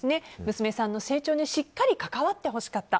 娘さんの成長にしっかり関わってほしかった。